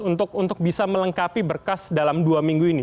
untuk bisa melengkapi berkas dalam dua minggu ini